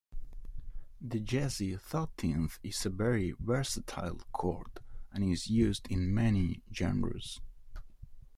The jazzy thirteenth is a very versatile chord and is used in many genres.